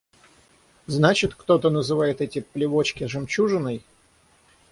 Значит – кто-то называет эти плевочки жемчужиной?